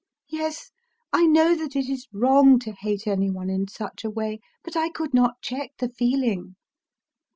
... Yes, I know that it is wrong to hate any one in such a way; but I could not check the feeling.